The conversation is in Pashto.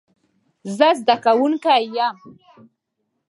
زه زده کوونکی یم